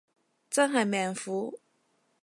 真係命苦